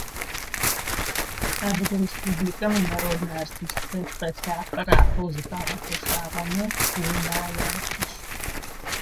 Адыгэ Республикэм инароднэ артисткэ цӀэ лъапӀэр апэу зыфагъэшъошагъэмэ Унае ащыщ.